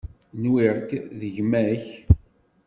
Nwiɣ-k d gma-k.